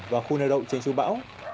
và khu neo đậu trên chú bão